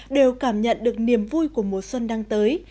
đều cảm nhận được niềm vui của mùa xuân đang tới